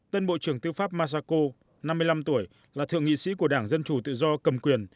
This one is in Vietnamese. tân bộ trưởng tư pháp masako năm mươi năm tuổi là thượng nghị sĩ của đảng dân chủ tự do cầm quyền